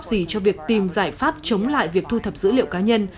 không góp gì cho việc tìm giải pháp chống lại việc thu thập dữ liệu cá nhân